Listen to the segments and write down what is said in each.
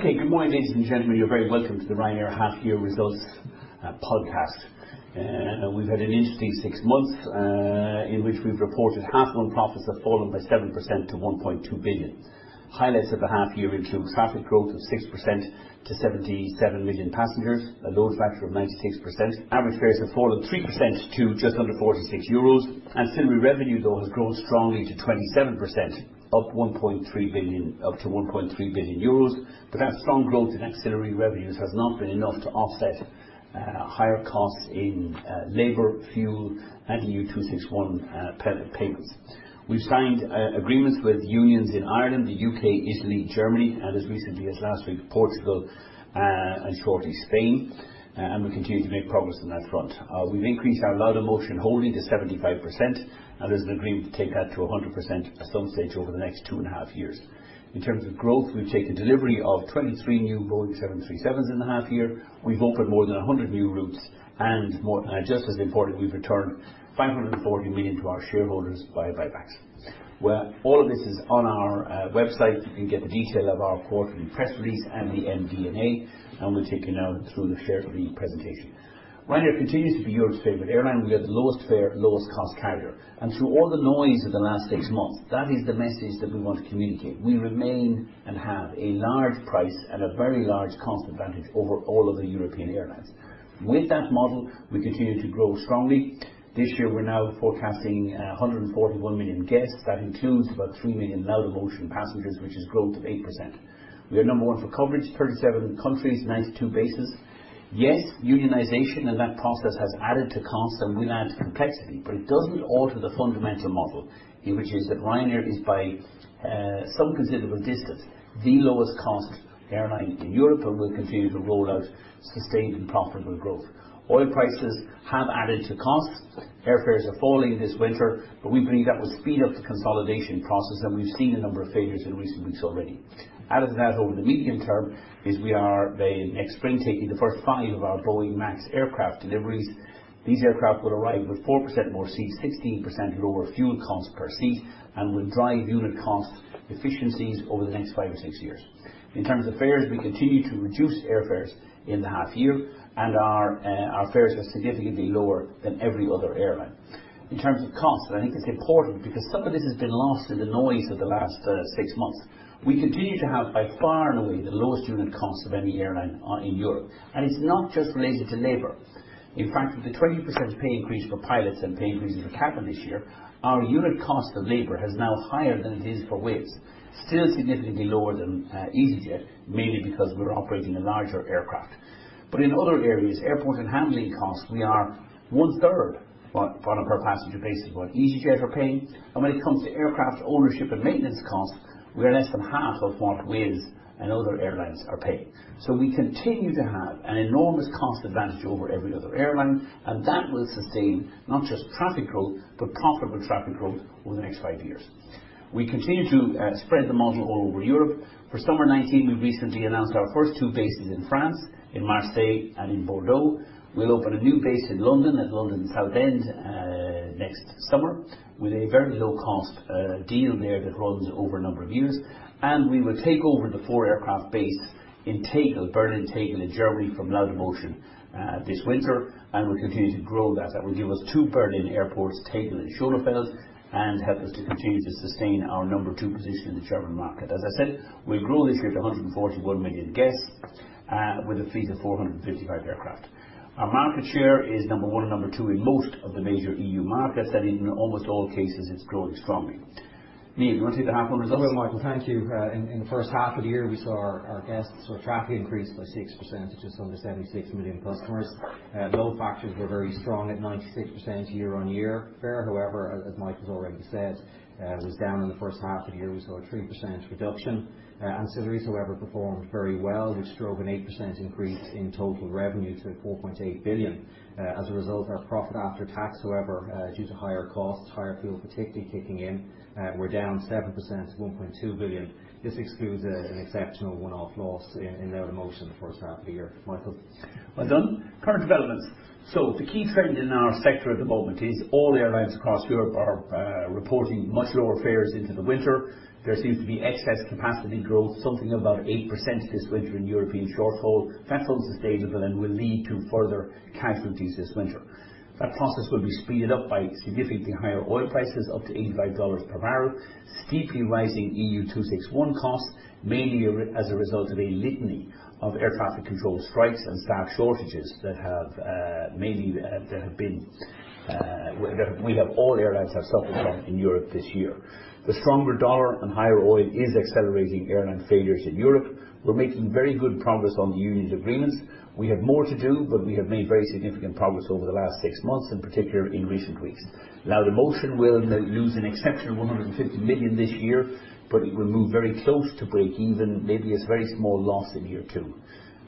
Good morning, ladies and gentlemen. You're very welcome to the Ryanair half year results podcast. We've had an interesting six months, in which we've reported half year profits have fallen by 7% to 1.2 billion. Highlights of the half year include traffic growth of 6% to 77 million passengers, a load factor of 96%. Average fares have fallen 3% to just under 46 euros. Ancillary revenue, though, has grown strongly to 27% up to 1.3 billion euros. That strong growth in ancillary revenues has not been enough to offset higher costs in labor, fuel, and EU 261 payment. We've signed agreements with unions in Ireland, the U.K., Italy, Germany and as recently as last week, Portugal, and shortly Spain, and we continue to make progress on that front. We've increased our Laudamotion holding to 75%, and there's an agreement to take that to 100% at some stage over the next two and a half years. In terms of growth, we've taken delivery of 23 new Boeing 737s in the half year. We've opened more than 100 new routes and just as important, we've returned 540 million to our shareholders via buybacks. Well, all of this is on our website. You can get the detail of our quarterly press release and the MD&A, and we'll take you now through the share of the presentation. Ryanair continues to be Europe's favorite airline. We are the lowest fare, lowest cost carrier. Through all the noise of the last six months, that is the message that we want to communicate. We remain and have a large price and a very large cost advantage over all of the European airlines. With that model, we continue to grow strongly. This year we're now forecasting 141 million guests. That includes about 3 million Laudamotion passengers, which is growth of 8%. We are number 1 for coverage, 37 countries, 92 bases. Yes, unionization and that process has added to costs and will add complexity. It doesn't alter the fundamental model, which is that Ryanair is by some considerable distance, the lowest cost airline in Europe and will continue to roll out sustained and profitable growth. Oil prices have added to costs. Airfares are falling this winter, but we believe that will speed up the consolidation process and we've seen a number of failures in recent weeks already. Added to that over the medium term is we are by next spring taking the first five of our Boeing MAX aircraft deliveries. These aircraft will arrive with 4% more seats, 16% lower fuel costs per seat and will drive unit cost efficiencies over the next five or six years. In terms of fares, we continue to reduce airfares in the half year and our fares are significantly lower than every other airline. In terms of cost, and I think it's important because some of this has been lost in the noise of the last six months. We continue to have by far and away the lowest unit cost of any airline in Europe. It's not just related to labor. In fact, with the 20% pay increase for pilots and pay increases for cabin this year, our unit cost of labor is now higher than it is for Wizz. Still significantly lower than EasyJet, mainly because we're operating a larger aircraft. In other areas, airport and handling costs, we are one third what on a per passenger basis what EasyJet are paying. When it comes to aircraft ownership and maintenance costs, we are less than half of what Wizz and other airlines are paying. We continue to have an enormous cost advantage over every other airline, and that will sustain not just traffic growth, but profitable traffic growth over the next five years. We continue to spread the model all over Europe. For summer 2019, we recently announced our first two bases in France, in Marseille and in Bordeaux. We'll open a new base in London, at London Southend next summer with a very low cost deal there that runs over a number of years, and we will take over the four aircraft base in Tegel, Berlin Tegel in Germany from Laudamotion this winter and will continue to grow that. That will give us two Berlin airports, Tegel and Schönefeld, and help us to continue to sustain our number 2 position in the German market. As I said, we'll grow this year to 141 million guests, with a fleet of 455 aircraft. Our market share is number 1 or number 2 in most of the major EU markets and in almost all cases it's growing strongly. Neil, do you want to take the half results? Well, Michael, thank you. In the first half of the year, we saw our guests or traffic increase by 6% to just under 76 million customers. Load factors were very strong at 96% year-on-year. Fare, however, as Michael has already said, was down in the first half of the year. We saw a 3% reduction. Ancillaries, however, performed very well. We saw an 8% increase in total revenue to 4.8 billion. Our profit after tax, however, due to higher costs, higher fuel particularly kicking in, we're down 7% to 1.2 billion. This excludes an exceptional one-off loss in Laudamotion in the first half of the year. Michael. Well done. Current developments. The key trend in our sector at the moment is all airlines across Europe are reporting much lower fares into the winter. There seems to be excess capacity growth, something about 8% this winter in European short-haul. That's unsustainable and will lead to further casualties this winter. That process will be speeded up by significantly higher oil prices, up to $85 per barrel, steeply rising EU 261 costs, mainly as a result of a litany of air traffic control strikes and staff shortages that all airlines have suffered from in Europe this year. The stronger dollar and higher oil is accelerating airline failures in Europe. We're making very good progress on the union agreements. We have more to do, but we have made very significant progress over the last six months, in particular in recent weeks. Laudamotion will now lose an exceptional 150 million this year, but it will move very close to breakeven, maybe it's very small loss in year two.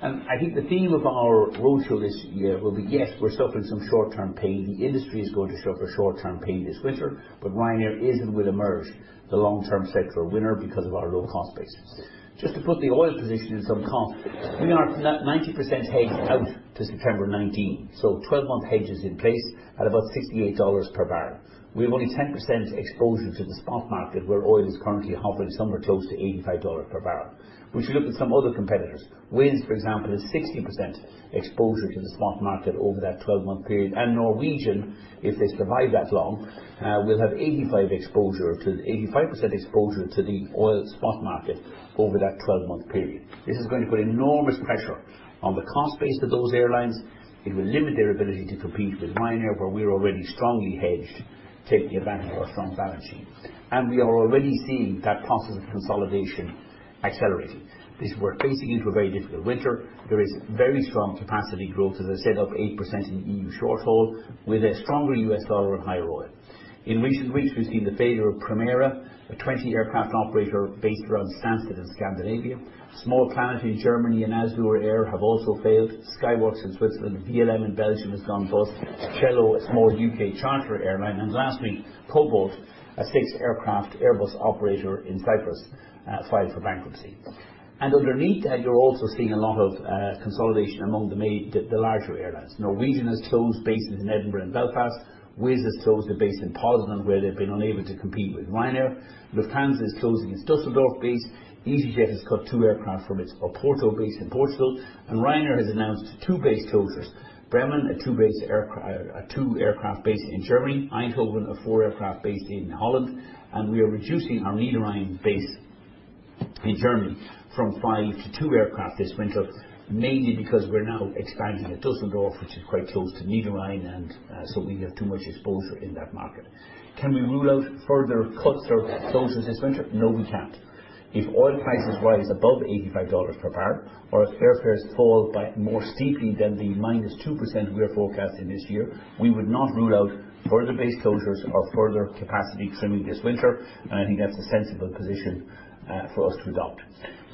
I think the theme of our roadshow this year will be, yes, we're suffering some short-term pain. The industry is going to suffer short-term pain this winter, Ryanair is and will emerge the long-term sector winner because of our low cost base. Just to put the oil position in some context We are 90% hedged out to September 2019, so 12-month hedge is in place at about 68 dollars per barrel. We have only 10% exposure to the spot market where oil is currently hovering somewhere close to 85 dollars per barrel. If we should look at some other competitors, Wizz, for example, has 60% exposure to the spot market over that 12-month period. Norwegian, if they survive that long, will have 85% exposure to the oil spot market over that 12-month period. This is going to put enormous pressure on the cost base of those airlines. It will limit their ability to compete with Ryanair, where we're already strongly hedged, taking advantage of our strong balance sheet. We are already seeing that process of consolidation accelerating. We're facing into a very difficult winter. There is very strong capacity growth, as I said, up 8% in EU short-haul with a stronger U.S. dollar and high oil. In recent weeks, we've seen the failure of Primera, a 20-aircraft operator based around Stansted in Scandinavia. Small Planet in Germany and Azur Air have also failed. SkyWork Airlines in Switzerland, VLM Airlines in Belgium has gone bust. Cello Aviation, a small U.K. charter airline, and last week, Cobalt Air, a six-aircraft Airbus operator in Cyprus filed for bankruptcy. Underneath that, you're also seeing a lot of consolidation among the larger airlines. Norwegian has closed bases in Edinburgh and Belfast. Wizz has closed a base in Poznan where they've been unable to compete with Ryanair. Lufthansa is closing its Dusseldorf base. EasyJet has cut two aircraft from its Oporto base in Portugal, Ryanair has announced two base closures. Bremen, a two-aircraft base in Germany, Eindhoven, a four-aircraft base in Holland, and we are reducing our Niederrhein base in Germany from five to two aircraft this winter, mainly because we're now expanding at Dusseldorf, which is quite close to Niederrhein, so we have too much exposure in that market. Can we rule out further cuts or closures this winter? No, we can't. If oil prices rise above 85 dollars per barrel, or if airfares fall more steeply than the -2% we are forecasting this year, we would not rule out further base closures or further capacity trimming this winter, I think that's a sensible position for us to adopt.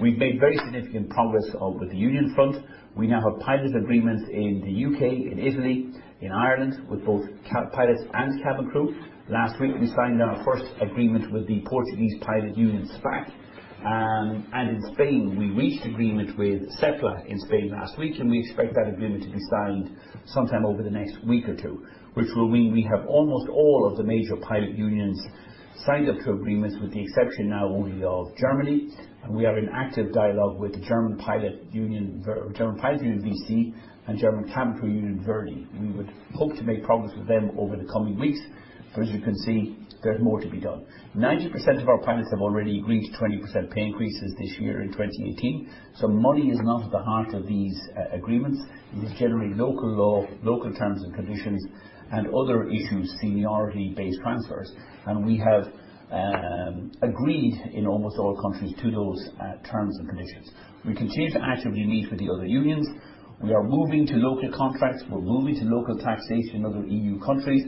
We've made very significant progress with the union front. We now have pilot agreements in the U.K., in Italy, in Ireland, with both pilots and cabin crew. Last week, we signed our first agreement with the Portuguese pilot union, SPAC. In Spain, we reached agreement with SEPLA in Spain last week, and we expect that agreement to be signed sometime over the next week or two, which will mean we have almost all of the major pilot unions signed up to agreements, with the exception now only of Germany. We are in active dialogue with the German pilot union, VC, and German cabin crew union, ver.di. We would hope to make progress with them over the coming weeks. As you can see, there's more to be done. 90% of our pilots have already agreed to 20% pay increases this year in 2018. Money is not at the heart of these agreements. It is generally local law, local terms and conditions, and other issues, seniority-based transfers. We have agreed in almost all countries to those terms and conditions. We continue to actively meet with the other unions. We are moving to local contracts. We're moving to local taxation in other EU countries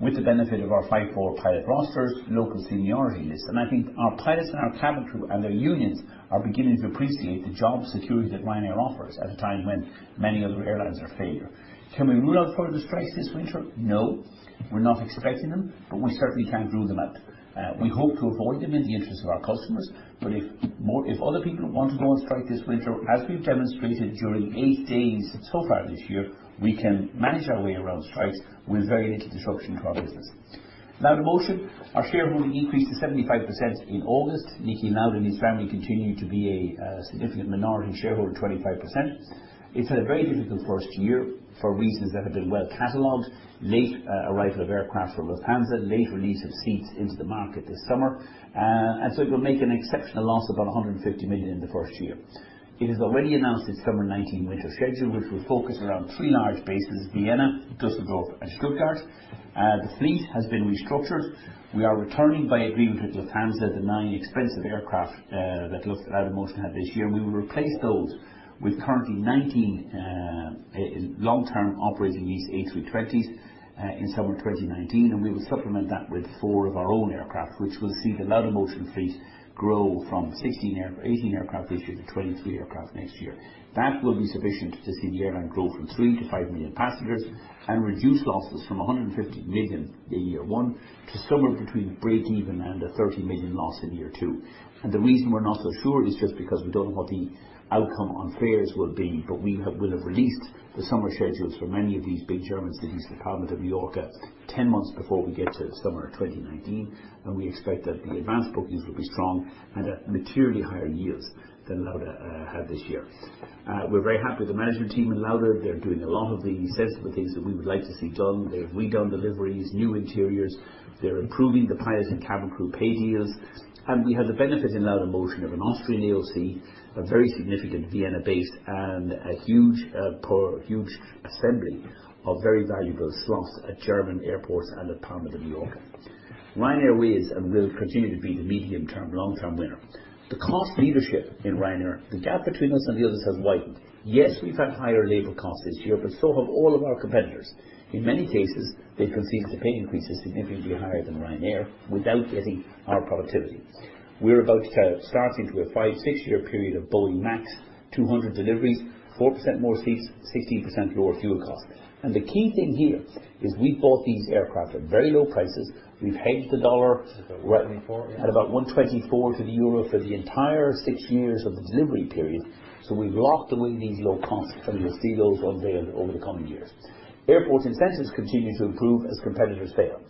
with the benefit of our 5-4 pilot rosters, local seniority lists. I think our pilots and our cabin crew and their unions are beginning to appreciate the job security that Ryanair offers at a time when many other airlines are failing. Can we rule out further strikes this winter? No. We're not expecting them, but we certainly can't rule them out. We hope to avoid them in the interest of our customers. If other people want to go on strike this winter, as we've demonstrated during eight days so far this year, we can manage our way around strikes with very little disruption to our business. Laudamotion, our shareholding increased to 75% in August. Niki Lauda and his family continue to be a significant minority shareholder of 25%. It's had a very difficult first year for reasons that have been well-cataloged. Late arrival of aircraft from Lufthansa, late release of seats into the market this summer. It will make an exceptional loss of 150 million in the first year. It has already announced its summer 2019 winter schedule, which will focus around three large bases, Vienna, Düsseldorf, and Stuttgart. The fleet has been restructured. We are returning by agreement with Lufthansa the nine expensive aircraft that Laudamotion had this year, and we will replace those with currently 19 long-term operating leased A320s in summer 2019, and we will supplement that with four of our own aircraft, which will see the Laudamotion fleet grow from 18 aircraft this year to 23 aircraft next year. That will be sufficient to see the airline grow from three to five million passengers, and reduce losses from 150 million in year one to somewhere between breakeven and a 30 million loss in year two. The reason we're not so sure is just because we don't know what the outcome on fares will be, but we will have released the summer schedules for many of these big German cities to Palma de Mallorca 10 months before we get to summer 2019, and we expect that the advance bookings will be strong and at materially higher yields than Lauda had this year. We're very happy with the management team in Lauda. They're doing a lot of the sensible things that we would like to see done. They've redone deliveries, new interiors. They're improving the pilots and cabin crew pay deals. We have the benefit in Laudamotion of an Austrian AOC, a very significant Vienna base, and a huge assembly of very valuable slots at German airports and at Palma de Mallorca. Ryanair is and will continue to be the medium-term, long-term winner. The cost leadership in Ryanair, the gap between us and the others has widened. Yes, we've had higher labor costs this year, but so have all of our competitors. In many cases, they've conceded to pay increases significantly higher than Ryanair without getting our productivity. We're about to start into a five, six-year period of Boeing 737 MAX 200 deliveries, 4% more seats, 16% lower fuel cost. The key thing here is we bought these aircraft at very low prices. We've hedged the dollar- At about 124, yeah. At about 124 to the EUR for the entire six years of the delivery period. We've locked away these low costs, and we'll see those unveil over the coming years. Airport incentives continue to improve as competitors fail.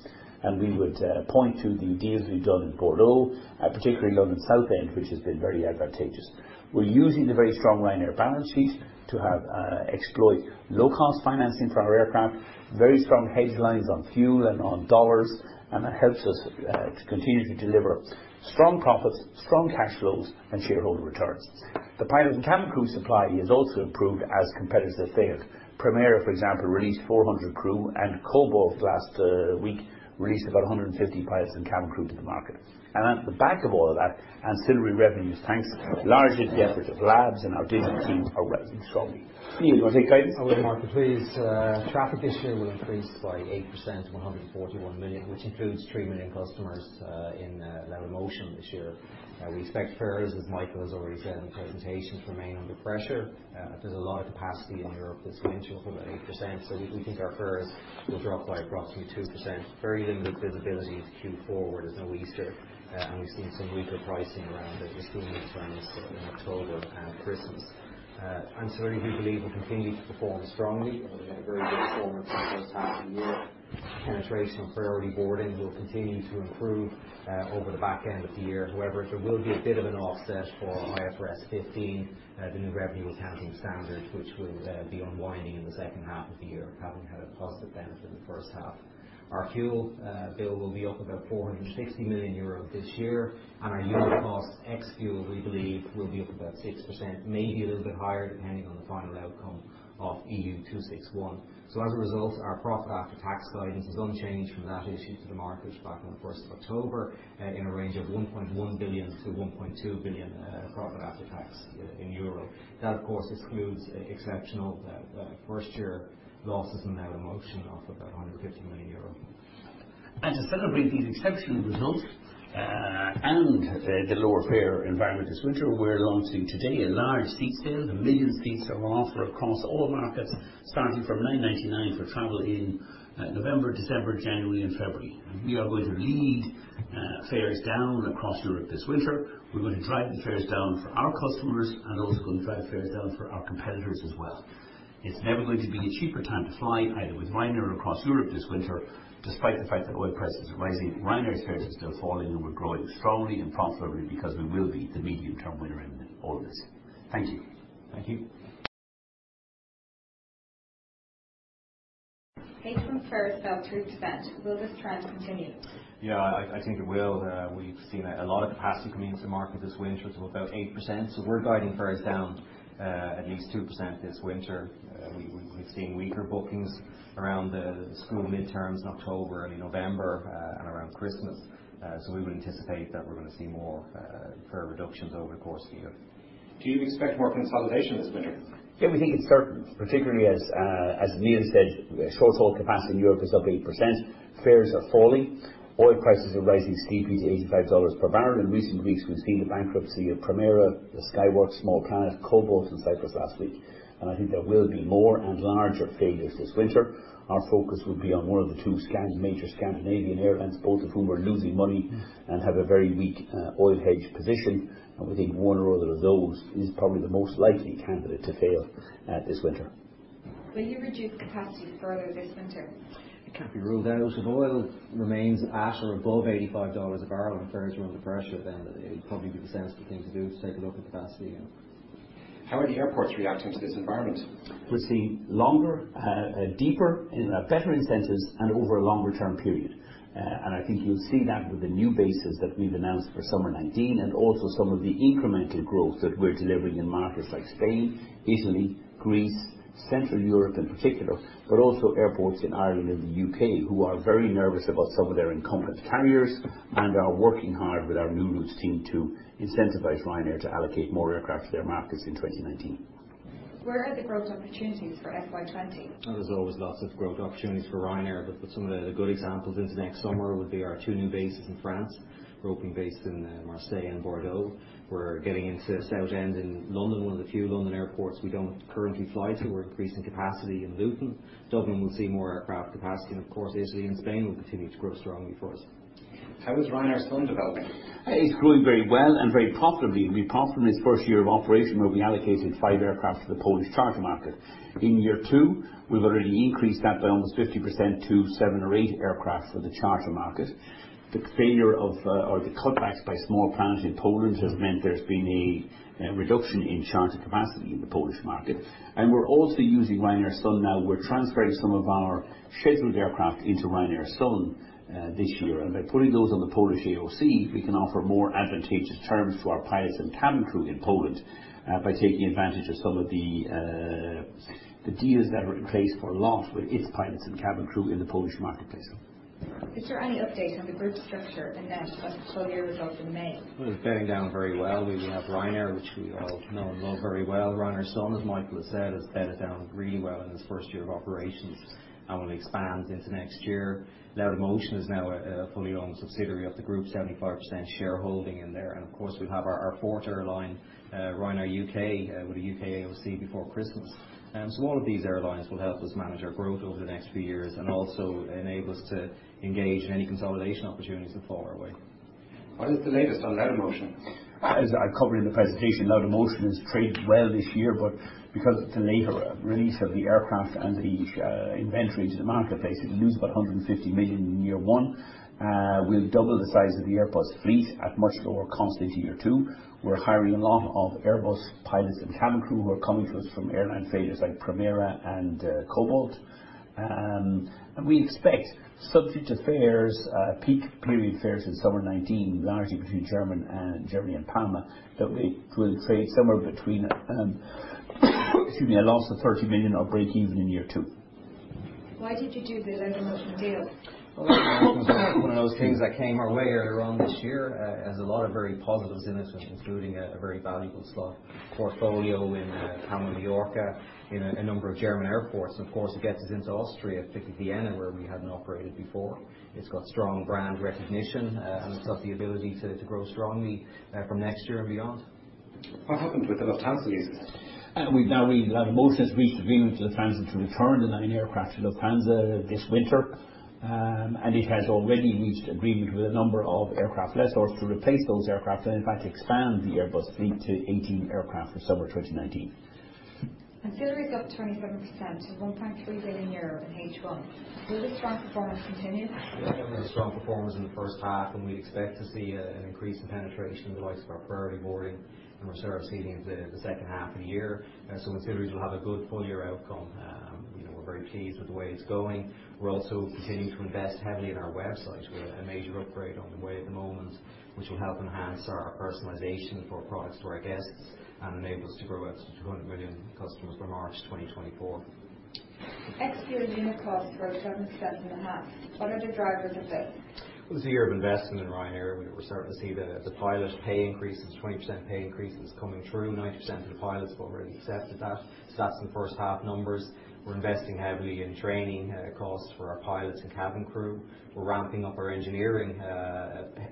We would point to the deals we've done in Bordeaux, particularly London Southend, which has been very advantageous. We're using the very strong Ryanair balance sheet to exploit low-cost financing for our aircraft, very strong hedge lines on fuel and on U.S. dollars, that helps us to continue to deliver strong profits, strong cash flows, and shareholder returns. The pilot and cabin crew supply has also improved as competitors have failed. Primera, for example, released 400 crew, Cobalt last week released about 150 pilots and cabin crew to the market. At the back of all of that, ancillary revenues, thanks to the large efforts of labs and our digital teams, are rising strongly. Stephen, do you want to take guidance? I will, Michael, please. Traffic this year will increase by 8% to 141 million, which includes 3 million customers in Laudamotion this year. We expect fares, as Michael has already said in the presentation, to remain under pressure. There's a lot of capacity in Europe this winter, up about 8%, so we think our fares will drop by approximately 2%. Very limited visibility into Q4. There's no Easter, and we've seen some weaker pricing around the school midterms in October and Christmas. Ancillary we believe will continue to perform strongly. We had a very good performance in the first half of the year. Penetration of priority boarding will continue to improve over the back end of the year. There will be a bit of an offset for IFRS 15, the new revenue accounting standard, which we'll be unwinding in the second half of the year, having had a positive benefit in the first half. Our fuel bill will be up about 460 million euro this year, and our unit cost ex-fuel, we believe, will be up about 6%, maybe a little bit higher, depending on the final outcome of EU 261. As a result, our profit after tax guidance is unchanged from that issued to the market back on the 1st of October, in a range of 1.1 billion EUR to 1.2 billion EUR profit after tax. That, of course, excludes exceptional first-year losses in Laudamotion of about 150 million euro. To celebrate these exceptional results and the lower fare environment this winter, we're launching today a large seat sale. 1 million seats are on offer across all markets, starting from 9.99 for travel in November, December, January and February. We are going to lead fares down across Europe this winter. We're going to drive the fares down for our customers and also going to drive fares down for our competitors as well. It's never going to be a cheaper time to fly, either with Ryanair or across Europe this winter. Despite the fact that oil prices are rising, Ryanair's fares are still falling, and we're growing strongly and profitably because we will be the medium-term winner in all this. Thank you. Thank you. H1 fares fell 2%. Will this trend continue? Yeah, I think it will. We've seen a lot of capacity coming into the market this winter of about 8%. We're guiding fares down at least 2% this winter. We've seen weaker bookings around the school midterms in October, early November, and around Christmas. We would anticipate that we're going to see more fare reductions over the course of the year. Do you expect more consolidation this winter? Yeah, we think it's certain, particularly as Neil said, short-haul capacity in Europe is up 8%. Fares are falling. Oil prices are rising steeply to $85 per barrel. In recent weeks, we've seen the bankruptcy of Primera, SkyWork, Small Planet, Cobalt in Cyprus last week. I think there will be more and larger failures this winter. Our focus would be on one of the two major Scandinavian airlines, both of whom are losing money and have a very weak oil hedge position. We think one or other of those is probably the most likely candidate to fail this winter. Will you reduce capacity further this winter? It can't be ruled out. If oil remains at or above $85 a barrel and fares are under pressure, it'd probably be the sensible thing to do to take a look at capacity again. How are the airports reacting to this environment? We're seeing longer, deeper, better incentives over a longer-term period. I think you'll see that with the new bases that we've announced for summer 2019 also some of the incremental growth that we're delivering in markets like Spain, Italy, Greece, Central Europe in particular, also airports in Ireland and the U.K. who are very nervous about some of their incumbent carriers and are working hard with our new routes team to incentivize Ryanair to allocate more aircraft to their markets in 2019. Where are the growth opportunities for FY 2020? There's always lots of growth opportunities for Ryanair, some of the good examples into next summer would be our two new bases in France. We're opening bases in Marseille and Bordeaux. We're getting into Southend in London, one of the few London airports we don't currently fly to. We're increasing capacity in Luton. Dublin will see more aircraft capacity, of course, Italy and Spain will continue to grow strongly for us. How is Ryanair Sun developing? It's growing very well and very profitably. It'll be profitable in its first year of operation where we allocated five aircraft to the Polish charter market. In year two, we've already increased that by almost 50% to seven or eight aircraft for the charter market. The failure of, or the cutbacks by Small Planet Airlines in Poland has meant there's been a reduction in charter capacity in the Polish market, we're also using Ryanair Sun now. We're transferring some of our scheduled aircraft into Ryanair Sun this year. By putting those on the Polish AOC, we can offer more advantageous terms to our pilots and cabin crew in Poland by taking advantage of some of the deals that are in place for LOT Polish Airlines with its pilots and cabin crew in the Polish marketplace. Is there any update on the group structure and full year results in May? It's bearing down very well. We have Ryanair, which we all know and love very well. Ryanair Sun, as Michael has said, has bedded down really well in its first year of operations and will expand into next year. Laudamotion is now a fully owned subsidiary of the group, 75% shareholding in there. Of course, we'll have our fourth airline, Ryanair UK, with a U.K. AOC before Christmas. All of these airlines will help us manage our growth over the next few years and also enable us to engage in any consolidation opportunities that fall our way. What is the latest on Laudamotion? As I covered in the presentation, Laudamotion has traded well this year, but because of the later release of the aircraft and the inventory to the marketplace, it'll lose about 150 million in year one. We'll double the size of the Airbus fleet at much lower cost into year two. We're hiring a lot of Airbus pilots and cabin crew who are coming to us from airline failures like Primera Air and Cobalt Air. We expect substitute fares, peak period fares in summer 2019, largely between Germany and Palma, that we will trade somewhere between excuse me, a loss of 30 million or break even in year two. Why did you do the Laudamotion deal? Well Laudamotion was one of those things that came our way earlier on this year. It has a lot of very positives in it, including a very valuable slot portfolio in Palma de Mallorca, in a number of German airports. Of course, it gets us into Austria, particularly Vienna, where we hadn't operated before. It's got strong brand recognition, and it's got the ability to grow strongly from next year and beyond. What happened with the Lufthansa lease? Laudamotion has reached agreement with Lufthansa to return the nine aircraft to Lufthansa this winter, and it has already reached agreement with a number of aircraft lessors to replace those aircraft and in fact expand the Airbus fleet to 18 aircraft for summer 2019. Ancillary is up 27% to €1.3 billion in H1. Will the strong performance continue? We had a strong performance in the first half. We expect to see an increase in penetration in the likes of our priority boarding and reserved seating in the second half of the year. Ancillaries will have a good full-year outcome. We're very pleased with the way it's going. We're also continuing to invest heavily in our website. We've a major upgrade on the way at the moment, which will help enhance our personalization for products to our guests and enable us to grow out to 200 million customers by March 2024. Ex-fuel unit costs rose 7.5%. What are the drivers of this? It was a year of investment in Ryanair. We're starting to see the pilot pay increases, 20% pay increases coming through. 90% of the pilots have already accepted that. That's in the first half numbers. We're investing heavily in training costs for our pilots and cabin crew. We're ramping up our engineering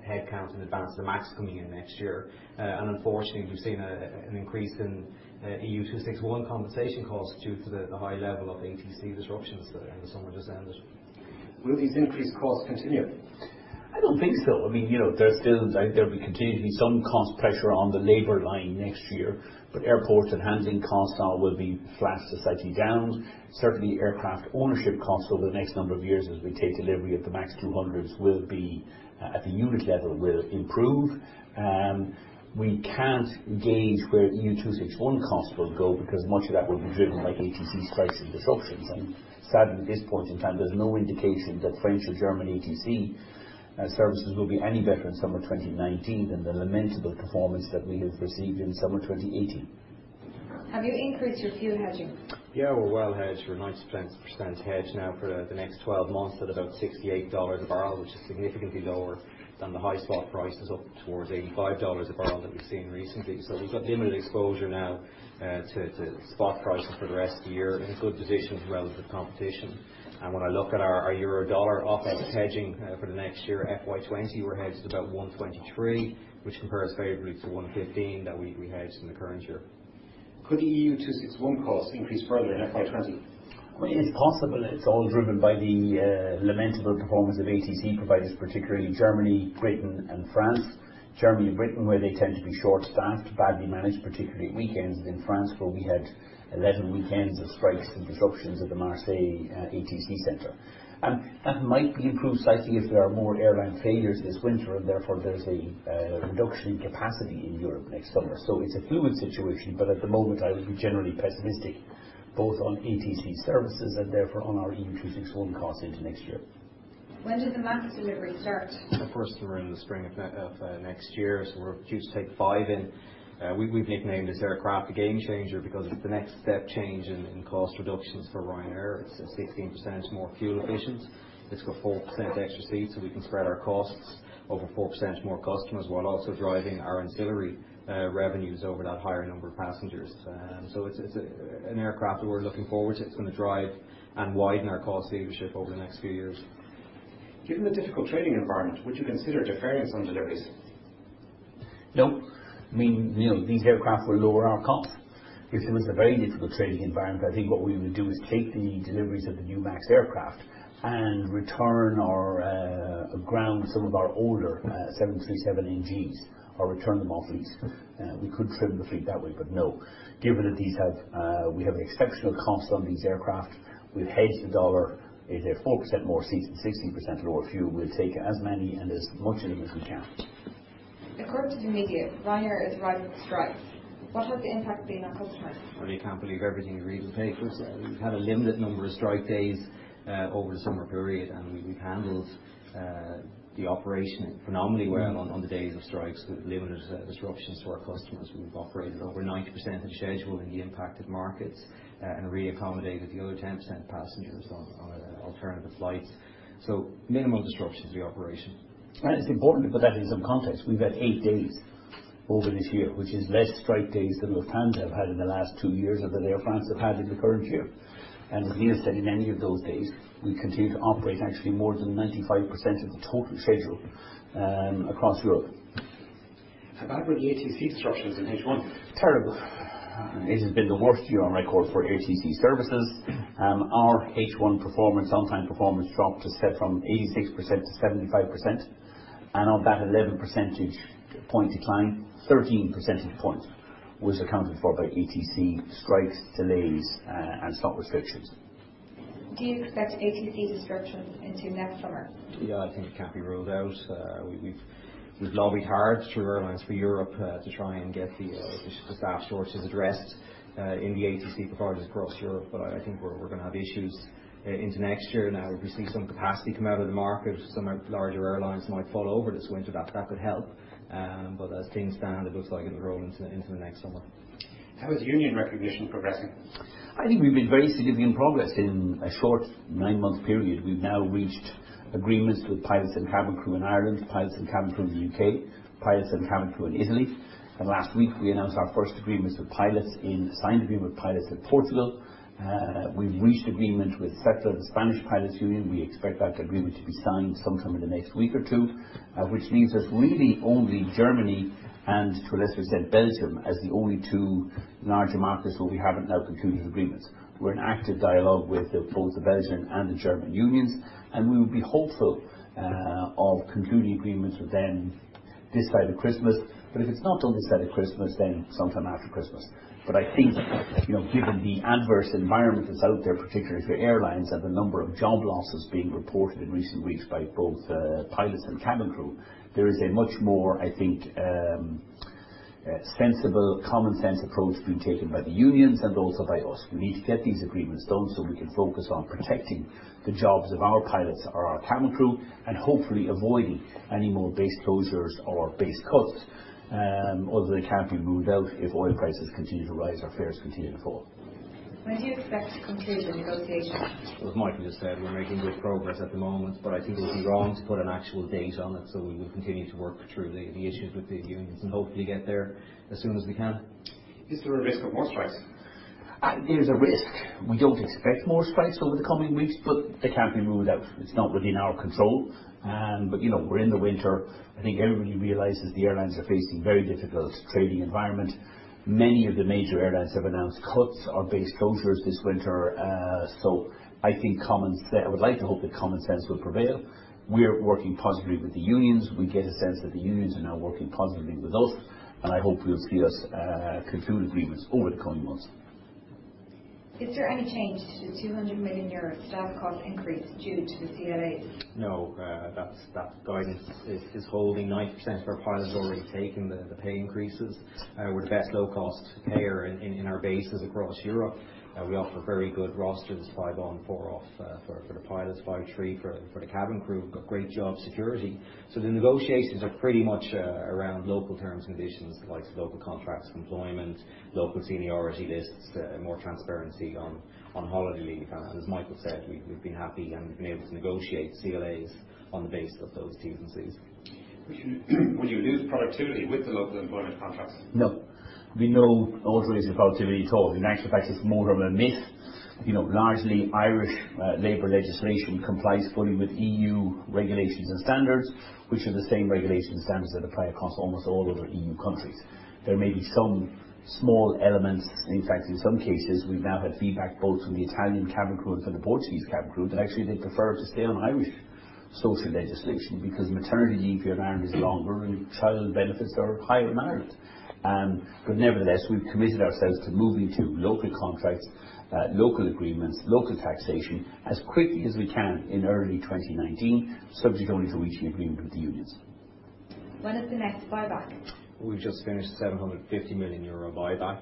headcount in advance of the MAX coming in next year. Unfortunately, we've seen an increase in EU261 compensation costs due to the high level of ATC disruptions in the summer just ended. Will these increased costs continue? I don't think so. There'll continue to be some cost pressure on the labor line next year. Airports and handling costs now will be flat to slightly down. Certainly, aircraft ownership costs over the next number of years as we take delivery of the MAX 200s will be at the unit level, will improve. We can't gauge where EU261 costs will go because much of that will be driven by ATC strikes and disruptions. Sadly, at this point in time, there's no indication that French or German ATC services will be any better in summer 2019 than the lamentable performance that we have received in summer 2018. Have you increased your fuel hedging? We're well hedged. We're 90% hedged now for the next 12 months at about $68 a barrel, which is significantly lower than the high spot prices up towards $85 a barrel that we've seen recently. We've got limited exposure now to spot prices for the rest of the year and a good position relative to competition. When I look at our euro/dollar FX hedging for the next year, FY 2020, we're hedged about 123, which compares favorably to 115 that we hedged in the current year. Could the EU261 cost increase further in FY 2020? It's possible. It's all driven by the lamentable performance of ATC providers, particularly Germany, Britain, and France. Germany and Britain, where they tend to be short-staffed, badly managed, particularly at weekends, and in France, where we had 11 weekends of strikes and disruptions at the Marseille ATC center. That might be improved slightly if there are more airline failures this winter, and therefore there's a reduction in capacity in Europe next summer. It's a fluid situation, but at the moment, I would be generally pessimistic both on ATC services and therefore on our EU261 cost into next year. When does the MAX delivery start? Of course, we're in the spring of next year, we're due to take 5 in. We've nicknamed this aircraft the Gamechanger because it's the next step change in cost reductions for Ryanair. It's 16% more fuel efficient. It's got 4% extra seats, so we can spread our costs over 4% more customers while also driving our ancillary revenues over that higher number of passengers. It's an aircraft that we're looking forward to. It's going to drive and widen our cost leadership over the next few years. Given the difficult trading environment, would you consider deferring some deliveries? No. These aircraft will lower our costs. If it was a very difficult trading environment, I think what we would do is take the deliveries of the new MAX aircraft and return or ground some of our older 737NGs or return them off lease. We could trim the fleet that way, no. Given that we have exceptional costs on these aircraft, we've hedged the dollar, they have 4% more seats and 16% lower fuel, we'll take as many and as much of them as we can. According to the media, Ryanair is rife with strikes. What has the impact been on customers? Well, you can't believe everything you read in the papers. We've had a limited number of strike days over the summer period, and we've handled the operation phenomenally well on the days of strikes with limited disruptions to our customers. We've operated over 90% of the schedule in the impacted markets and re-accommodated the other 10% of passengers on alternative flights. Minimal disruption to the operation. It's important to put that in some context. We've had eight days over this year, which is less strike days than Lufthansa have had in the last two years or that Air France have had in the current year. As Neil said, in any of those days, we continued to operate actually more than 95% of the total schedule across Europe. How bad were the ATC disruptions in H1? Terrible. This has been the worst year on record for ATC services. Our H1 performance, on-time performance dropped from 86% to 75%, and of that 11 percentage point decline, 13 percentage points was accounted for by ATC strikes, delays, and slot restrictions. Do you expect ATC disruptions into next summer? Yeah, I think it can't be ruled out. We've lobbied hard through Airlines for Europe to try and get the staff shortages addressed in the ATC providers across Europe. I think we're going to have issues into next year. Now we've seen some capacity come out of the market. Some larger airlines might fall over this winter. That could help. As things stand, it looks like it'll roll into the next summer. How is union recognition progressing? I think we've made very significant progress in a short nine-month period. We've now reached agreements with pilots and cabin crew in Ireland, pilots and cabin crew in the U.K., pilots and cabin crew in Italy, last week we announced our first signed agreement with pilots in Portugal. We've reached agreement with SEPLA, the Spanish airline pilots' union. We expect that agreement to be signed sometime in the next week or two, which leaves us really only Germany and to a lesser extent, Belgium, as the only two larger markets where we haven't now concluded agreements. We're in active dialogue with both the Belgian and the German unions, we would be hopeful of concluding agreements with them this side of Christmas. If it's not done this side of Christmas, sometime after Christmas. I think, given the adverse environment that's out there, particularly for airlines and the number of job losses being reported in recent weeks by both pilots and cabin crew, there is a much more, I think, sensible, common-sense approach being taken by the unions also by us. We need to get these agreements done so we can focus on protecting the jobs of our pilots or our cabin crew, hopefully avoiding any more base closures or base cuts, although they can't be ruled out if oil prices continue to rise or fares continue to fall. When do you expect to conclude the negotiations? As Michael just said, we're making good progress at the moment. I think it would be wrong to put an actual date on it. We will continue to work through the issues with the unions and hopefully get there as soon as we can. Is there a risk of more strikes? There's a risk. We don't expect more strikes over the coming weeks, but they can't be ruled out. It's not within our control. We're in the winter. I think everybody realizes the airlines are facing very difficult trading environment. Many of the major airlines have announced cuts or base closures this winter. I would like to hope that common sense will prevail. We're working positively with the unions. We get a sense that the unions are now working positively with us. I hope we'll see us conclude agreements over the coming months. Is there any change to the 200 million euro staff cost increase due to the CLA? No, that guidance is holding. 90% of our pilots have already taken the pay increases. We're the best low-cost payer in our bases across Europe. We offer very good rosters, five on, four off for the pilots, five three for the cabin crew. We've got great job security. The negotiations are pretty much around local terms and conditions like local contracts of employment, local seniority lists, more transparency on holiday leave. As Michael said, we've been happy and we've been able to negotiate CLAs on the base of those Ts and Cs. Will you lose productivity with the local employment contracts? No. We know ultimately there's no productivity at all. In actual fact, it's more of a myth. Largely, Irish labor legislation complies fully with EU regulations and standards, which are the same regulations and standards that apply across almost all other EU countries. There may be some small elements. In fact, in some cases, we've now had feedback both from the Italian cabin crew and from the Portuguese cabin crew that actually they'd prefer to stay on Irish social legislation because maternity leave in Ireland is longer and child benefits are higher in Ireland. Nevertheless, we've committed ourselves to moving to local contracts, local agreements, local taxation as quickly as we can in early 2019, subject only to reaching agreement with the unions. When is the next buyback? We just finished a 750 million euro buyback.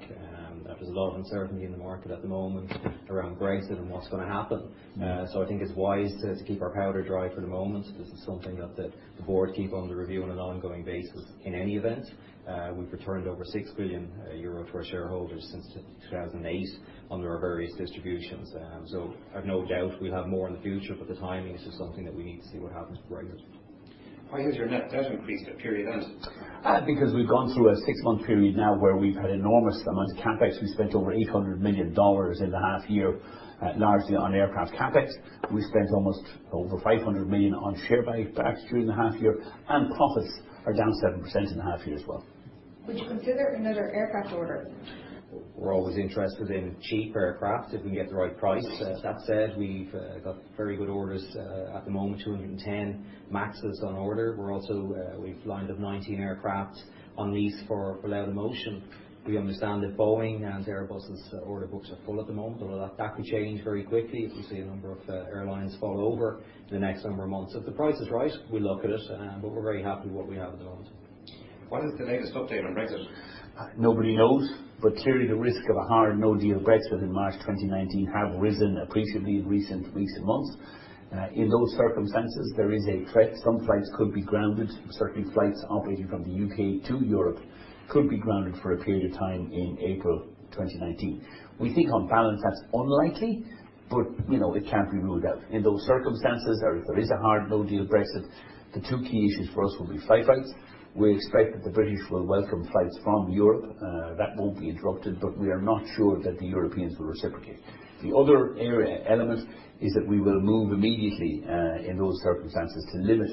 There's a lot of uncertainty in the market at the moment around Brexit and what's going to happen. I think it's wise to keep our powder dry for the moment. This is something that the board keep under review on an ongoing basis, in any event. We've returned over 6 billion euro for our shareholders since 2008 under our various distributions. I've no doubt we'll have more in the future, the timing is just something that we need to see what happens with Brexit. Why has your net debt increased at period end? We've gone through a six-month period now where we've had enormous amounts of CapEx. We spent over EUR 800 million in the half year, largely on aircraft CapEx. We spent almost over 500 million on share buybacks during the half year. Profits are down 7% in the half year as well. Would you consider another aircraft order? We're always interested in cheap aircraft if we can get the right price. That said, we've got very good orders at the moment, 210 MAX on order. We've lined up 19 aircraft on lease for Laudamotion. We understand that Boeing and Airbus' order books are full at the moment. That could change very quickly if we see a number of airlines fall over in the next number of months. If the price is right, we'll look at it, but we're very happy with what we have at the moment. What is the latest update on Brexit? Nobody knows. Clearly the risk of a hard no-deal Brexit in March 2019 have risen appreciably in recent weeks and months. In those circumstances, there is a threat some flights could be grounded. Certainly, flights operating from the U.K. to Europe could be grounded for a period of time in April 2019. We think on balance, that's unlikely. It can't be ruled out. In those circumstances, if there is a hard no-deal Brexit, the two key issues for us will be flight routes. We expect that the British will welcome flights from Europe. That won't be interrupted. We are not sure that the Europeans will reciprocate. The other element is that we will move immediately, in those circumstances, to limit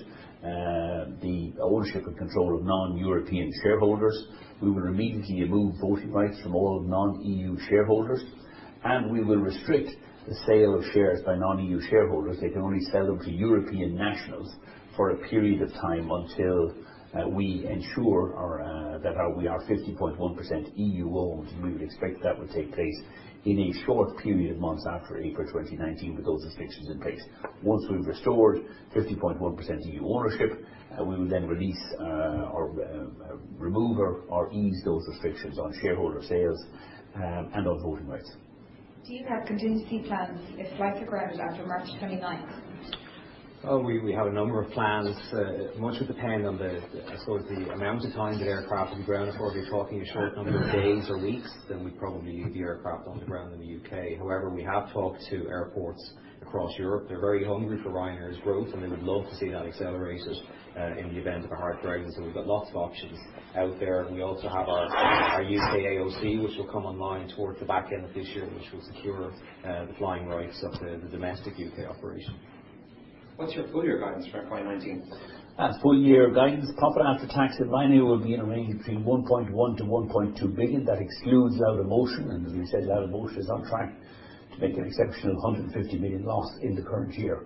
the ownership and control of non-European shareholders. We will immediately remove voting rights from all non-EU shareholders. We will restrict the sale of shares by non-EU shareholders. They can only sell them to European nationals for a period of time until we ensure that we are 50.1% EU-owned. We would expect that would take place in a short period of months after April 2019 with those restrictions in place. Once we've restored 50.1% EU ownership, we will then release or remove or ease those restrictions on shareholder sales and on voting rights. Do you have contingency plans if flights are grounded after March 29th? We have a number of plans. Much would depend on the amount of time that aircraft would be grounded for. If you're talking a short number of days or weeks, we'd probably leave the aircraft on the ground in the U.K. However, we have talked to airports across Europe. They're very hungry for Ryanair's growth, they would love to see that accelerated in the event of a hard Brexit. We've got lots of options out there. We also have our U.K. AOC, which will come online towards the back end of this year, which will secure the flying rights of the domestic U.K. operation. What's your full-year guidance for FY 2019? Full-year guidance, profit after tax at Ryanair will be in a range between 1.1 billion-1.2 billion. That excludes Laudamotion. As we said, Laudamotion is on track to make an exceptional 150 million loss in the current year.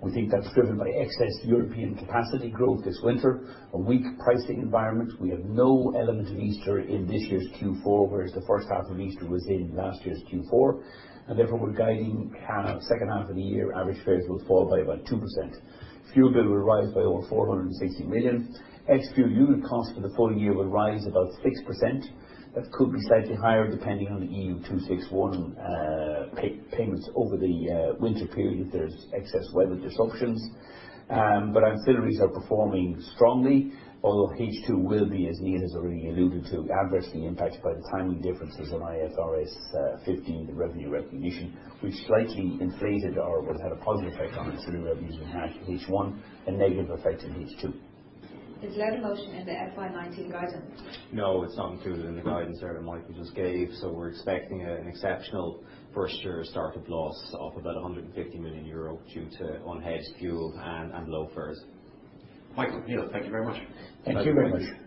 We think that's driven by excess European capacity growth this winter, a weak pricing environment. We have no element of Easter in this year's Q4, whereas the first half of Easter was in last year's Q4. Therefore, we're guiding second half of the year average fares will fall by about 2%. Fuel bill will rise by over 460 million. Ex-fuel unit cost for the full year will rise about 6%. That could be slightly higher depending on the EU 261 payments over the winter period if there's excess weather disruptions. Ancillaries are performing strongly. Although H2 will be, as Neil has already alluded to, adversely impacted by the timing differences in IFRS 15, the revenue recognition, which slightly inflated or had a positive effect on ancillary revenues we had H1 and negative effect in H2. Is Laudamotion in the FY19 guidance? No, it's not included in the guidance there that Michael just gave. We're expecting an exceptional first-year start of loss of about 150 million euro due to unhedged fuel and low fares. Michael, Neil, thank you very much. Thank you very much.